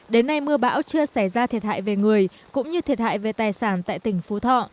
đến nay mưa bão chưa xảy ra thiệt hại về người cũng như thiệt hại về tài sản tại tỉnh phú thọ